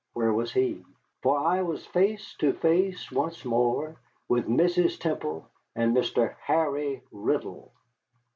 Where was he? For I was face to face once more with Mrs. Temple and Mr. Harry Riddle!